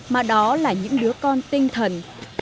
mà đó là những đứa con tinh thần